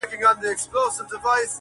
چي اسمان ورته نجات نه دی لیکلی!.